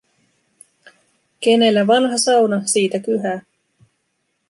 Kenellä vanha sauna, siitä kyhää.